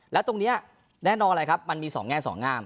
แล้วตรงนี้แน่นอนเลยครับมันมี๒แง่สองงาม